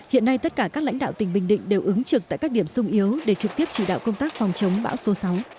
hiện nay tất cả các lãnh đạo tỉnh bình định đều ứng trực tại các điểm sung yếu để trực tiếp chỉ đạo công tác phòng chống bão số sáu